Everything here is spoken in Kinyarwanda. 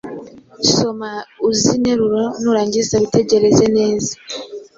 Soma uzi nteruro nurangiza witegereze neza